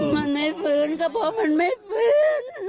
มันไม่ฟื้นก็เพราะมันไม่ฟื้น